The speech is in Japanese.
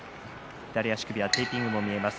左足首にテーピングも見えます。